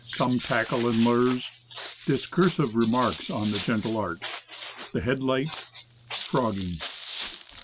SOME TACKLE AND LURES. DISCURSIVE REMARKS ON THE GENTLE ART. THE HEADLIGHT. FROGGING.